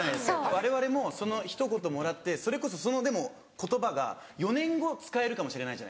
われわれもその一言もらってそれこそそのでも言葉が４年後使えるかもしれないじゃないですか。